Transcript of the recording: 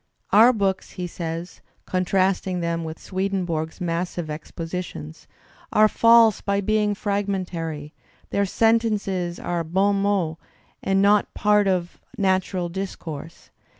"Our books," he says, con trasting them with Swedenborg's massive expositions, "are false by being fragmentary; their sentences are bon mots and not parts of natural discourse."